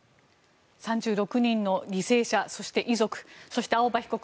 ３６人の犠牲者そして遺族そして青葉被告